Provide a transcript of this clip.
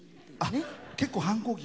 結構、反抗期が。